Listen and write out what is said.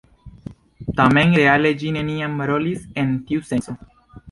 Tamen reale ĝi neniam rolis en tiu senco.